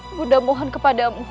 ibunda mohon kepadamu